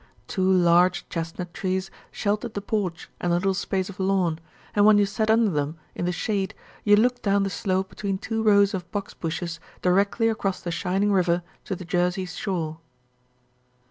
Two large chestnut trees sheltered the porch and the little space of lawn, and when you sat under them in the shade you looked down the slope between two rows of box bushes directly across the shining river to the Jersey shore.